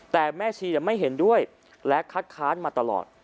แต่แม่ชีไม่เห็นด้วยและคัดค้านมาตลอด